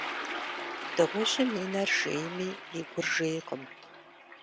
Дыгъужьым и нэр жейми, и гур жейкъым.